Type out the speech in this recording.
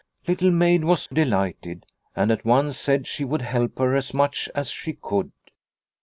Little Maid was delighted, and at once said she would help her as much as she could.